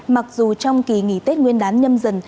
mặc dù trong kỳ nghỉ tết nguyên đán nhâm dần